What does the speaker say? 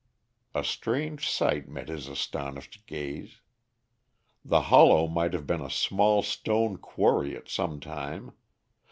A strange sight met his astonished gaze. The hollow might have been a small stone quarry at some time.